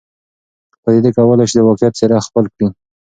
پدیدې کولای سي د واقعیت څېره خپل کړي.